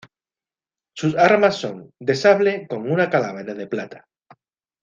Sus armas son: De sable, con una calavera de plata.